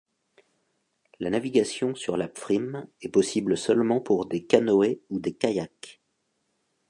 La navigation sur la Pfrimm est possible seulement pour des canoës ou des kayaks.